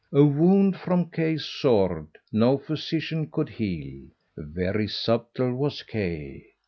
A wound from Kay's sword no physician could heal. Very subtle was Kay.